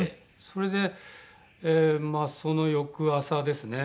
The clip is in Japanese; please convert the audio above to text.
それでまあその翌朝ですね。